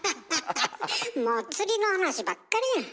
もう釣りの話ばっかりやん。